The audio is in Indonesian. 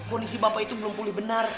kondisi bapak itu belum pulih benar